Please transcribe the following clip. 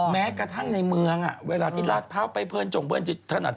แม้กระทั่งในเมืองเวลาที่ลาดพร้าวไปเพื่อนจงเพื่อนถนัด